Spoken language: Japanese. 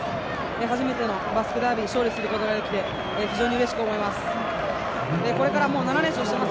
初めてのバスクダービー勝利することができて、非常にうれしく思います。